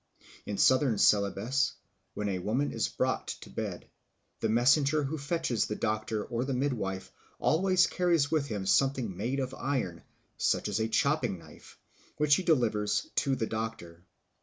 In Southern Celebes, when a woman is brought to bed, the messenger who fetches the doctor or the midwife always carries with him something made of iron, such as a chopping knife, which he delivers to the doctor.